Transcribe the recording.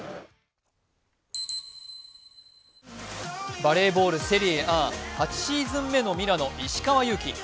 バレーボール・セリエＡ８シーズン目のミラノ・石川祐希。